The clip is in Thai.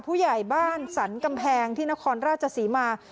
ผู้ใหญ่บ้านสรรกำแพงที่นครราชศรีมา